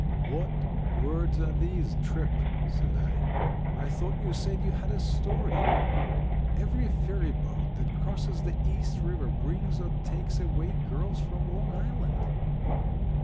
"What words are these, Tripp?" said I. "I thought you said you had a story. Every ferryboat that crosses the East River brings or takes away girls from Long Island."